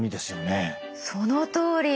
そのとおり！